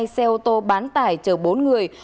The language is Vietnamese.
xe ô tô bán tải chở bốn người